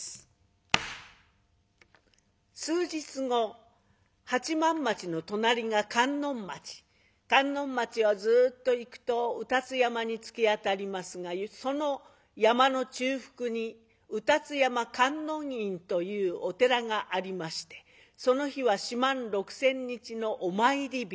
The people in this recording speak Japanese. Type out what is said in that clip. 数日後八幡町の隣が観音町観音町をずっと行くと卯辰山に突き当たりますがその山の中腹に卯辰山観音院というお寺がありましてその日は四万六千日のお参り日。